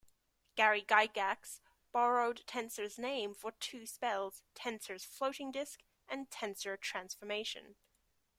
Gary Gygax "borrowed" Tenser's name for two spells, "Tenser's floating disc" and "Tenser's transformation".